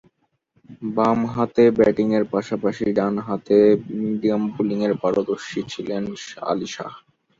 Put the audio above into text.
বামহাতে ব্যাটিংয়ের পাশাপাশি ডানহাতে মিডিয়াম বোলিংয়ে পারদর্শী ছিলেন আলী শাহ।